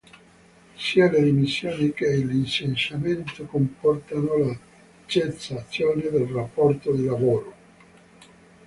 Sia le dimissioni che il licenziamento comportano la cessazione del rapporto di lavoro.